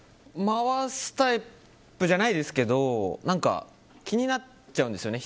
回すタイプじゃないですけど何か気になっちゃうんですよね。